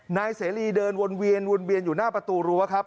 นายเสรีเดินวนเวียนวนเวียนอยู่หน้าประตูรั้วครับ